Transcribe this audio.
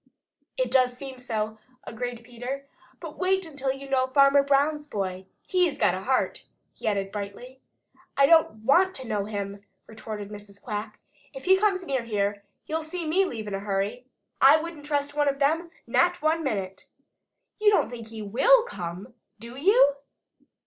"It does seem so," agreed Peter. "But wait until you know Farmer Brown's boy! HE'S got a heart!" he added brightly. "I don't want to know him," retorted Mrs. Quack. "If he comes near here, you'll see me leave in a hurry. I wouldn't trust one of them, not one minute. You don't think he will come, do you?"